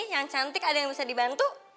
yang cantik ada yang bisa dibantu